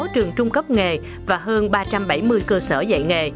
hai mươi sáu trường trung cấp nghề và hơn ba trăm bảy mươi cơ sở dạy nghề